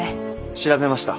調べました。